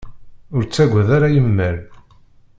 Ur ttagad ara imal!